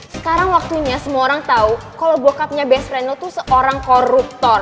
sekarang waktunya semua orang tau kalo bokapnya best friend lo tuh seorang koruptor